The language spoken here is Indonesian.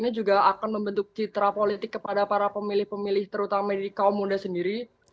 ini juga akan membentuk citra politik kepada para pemilih pemilih terutama di kaum muda sendiri